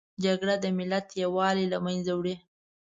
جګړه د ملت یووالي له منځه وړي